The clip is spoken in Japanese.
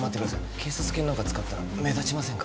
警察犬なんか使ったら目立ちませんか？